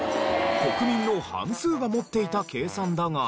国民の半数が持っていた計算だが。